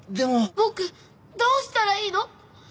僕どうしたらいいの！？